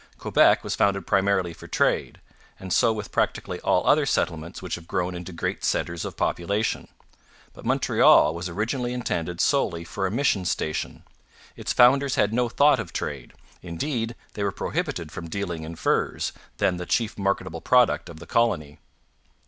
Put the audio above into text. Quebec was founded primarily for trade; and so with practically all other settlements which have grown into great centres of population. But Montreal was originally intended solely for a mission station. Its founders had no thought of trade; indeed, they were prohibited from dealing in furs, then the chief marketable product of the colony.